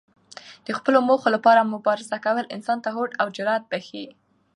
د خپلو موخو لپاره مبارزه کول انسان ته هوډ او جرات بښي.